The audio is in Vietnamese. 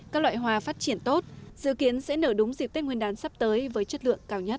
các loại hoa phát triển tốt dự kiến sẽ nở đúng dịp tết nguyên đán sắp tới với chất lượng cao nhất